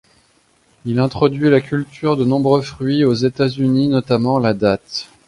Il introduit la culture de nombreux fruits aux États-Unis notamment la datte.